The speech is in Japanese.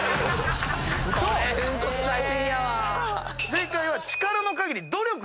正解は。